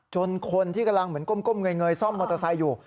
คนที่กำลังเหมือนก้มเงยซ่อมมอเตอร์ไซค์อยู่